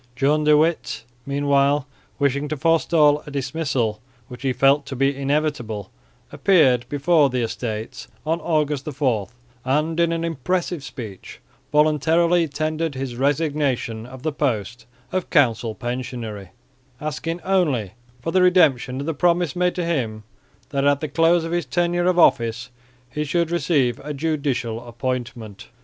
John de Witt meanwhile, wishing to forestall a dismissal which he felt to be inevitable, appeared before the Estates on August 4, and in an impressive speech voluntarily tendered his resignation of the post of council pensionary, asking only for the redemption of the promise made to him that at the close of his tenure of office he should receive a judicial appointment.